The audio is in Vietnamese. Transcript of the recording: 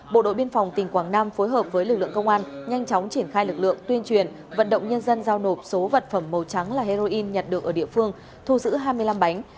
bộ đội biên phòng tỉnh quảng nam phối hợp với lực lượng công an nhanh chóng triển khai lực lượng tuyên truyền vận động nhân dân giao nộp số vật phẩm màu trắng là heroin nhặt được ở địa phương thu giữ hai mươi năm bánh